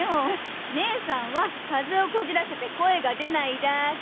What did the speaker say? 義姉さんは風邪をこじらせて声が出ないだけ！